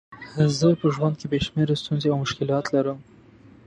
زه په ژوند کې بې شمېره ستونزې او مشکلات لرم.